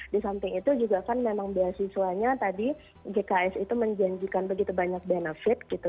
di samping itu juga kan memang beasiswanya tadi jks itu menjanjikan begitu banyak benefit gitu